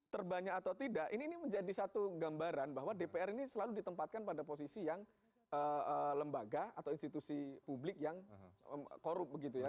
terbanyak atau tidak ini menjadi satu gambaran bahwa dpr ini selalu ditempatkan pada posisi yang lembaga atau institusi publik yang korup begitu ya